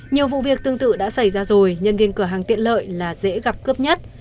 nhiều vụ việc tương tự đã xảy ra rồi nhân viên cửa hàng tiện lợi là dễ gặp cướp nhất